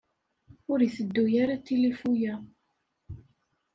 Ur iteddu ara tilifu-ya.